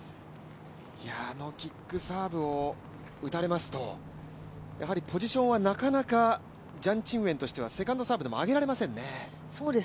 あのキックサーブを打たれますと、やはりポジションはなかなかジャン・チンウェンとしてはセカンドサーブでも上げられませんね。